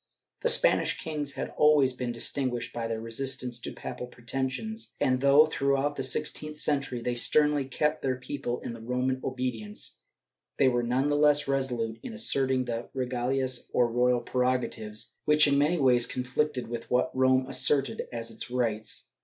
The Spanish kings had always been distinguished by their resistance to papal pretensions and though, throughout the sixteenth century, they sternly kept their people in the Roman obedience, they were none the less resolute in asserting the regalias, or royal prerogatives, which in many ways conflicted with what Rome asserted as its rights.